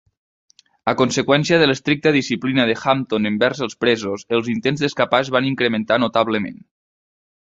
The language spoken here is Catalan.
A conseqüència de l'estricta disciplina de Hampton envers els presos, els intents d'escapar es van incrementar notablement.